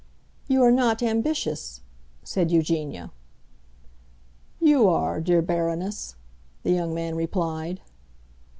"You are not ambitious," said Eugenia. "You are, dear Baroness," the young man replied.